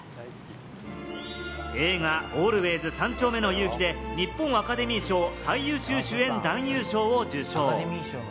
映画『ＡＬＷＡＹＳ三丁目の夕日』で、日本アカデミー賞最優秀主演男優賞を受賞。